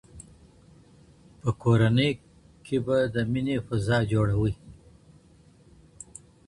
په کورنۍ کي به د میني فضا جوړوئ.